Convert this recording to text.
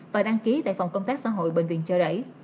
và đăng ký tại phòng công tác xã hội bệnh viện chợ rẫy